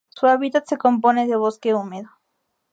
Su hábitat se compone de bosque húmedo.